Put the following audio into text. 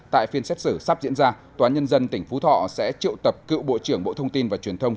tại phiên xét xử sắp diễn ra tòa nhân dân tỉnh phú thọ sẽ triệu tập cựu bộ trưởng bộ thông tin và truyền thông